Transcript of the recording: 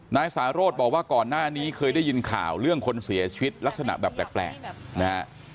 นายสาโรธบอกว่าก่อนหน้านี้เคยได้ยินข่าวเรื่องคนเสียชีวิตลักษณะแบบแปลกนะฮะ